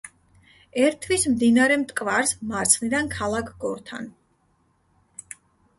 ერთვის მდინარე მტკვარს მარცხნიდან ქალაქ გორთან.